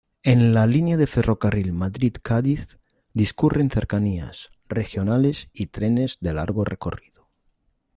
En la "Línea de ferrocarril Madrid-Cádiz" discurren cercanías, regionales y trenes de largo recorrido.